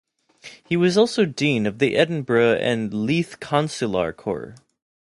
He was also Dean of the Edinburgh and Leith Consular Corps.